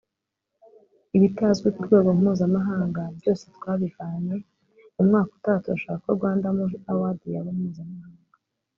ibitazwi ku rwego mpuzamahanga byose twabivanye […] Mu mwaka utaha turashaka ko Rwanda Movie Award yaba mpuzamahanga